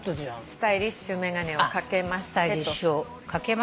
スタイリッシュをかけまして。